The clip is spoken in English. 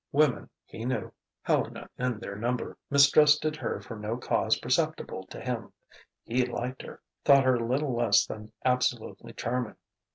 Women, he knew Helena in their number mistrusted her for no cause perceptible to him. He liked her, thought her little less than absolutely charming.